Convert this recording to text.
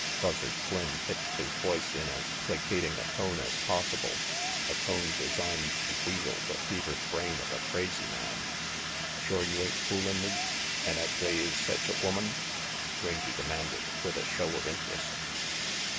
Buzzard Flynn pitched his voice in as placating a tone as possible a tone designed to wheedle the fevered brain of a crazy man. "Shore you ain't foolin' me, and 'at they is sech a woman?" Rangy demanded, with a show of interest.